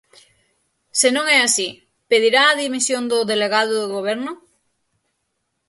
Se non é así, ¿pedirá a dimisión do delegado do Goberno?